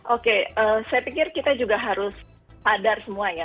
oke saya pikir kita juga harus padar semuanya